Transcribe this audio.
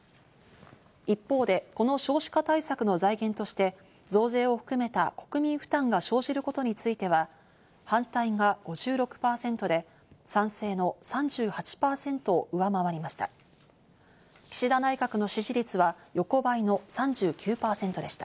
一方でこの少子化対策の財源として増税を含めた国民負担が生じることについては、反対が５６％で賛成の３８％を上回りました。